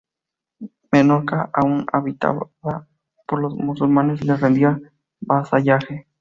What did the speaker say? Menorca, aún habitada por los musulmanes, le rendía vasallaje.